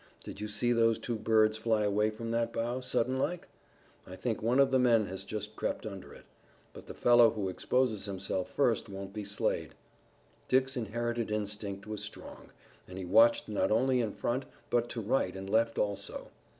Did you see those two birds fly away from that bough, sudden like? I think one of the men has just crept under it. But the fellow who exposes himself first won't be Slade." Dick's inherited instinct was strong, and he watched not only in front, but to right and left also.